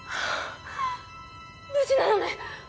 無事なのね？